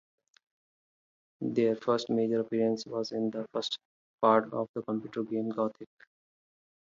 Their first major appearance was in the first part of the computer game "Gothic".